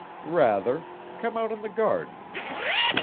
"Rather, come out in the garden."